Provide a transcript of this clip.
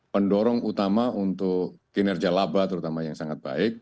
pendorong utama untuk kinerja laba terutama yang sangat baik